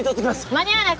間に合わない！